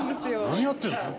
何やってんすか。